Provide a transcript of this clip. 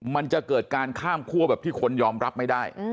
มันจะเกิดการข้ามคั่วแบบที่คนยอมรับไม่ได้